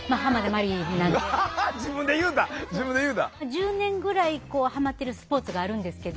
１０年ぐらいハマってるスポーツがあるんですけど。